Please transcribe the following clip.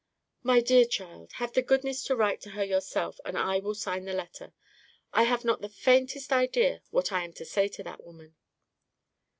"My dear child, have the goodness to write to her yourself, and I will sign the letter. I have not the faintest idea what I am to say to that woman."